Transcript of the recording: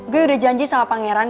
gue udah janji sama pangeran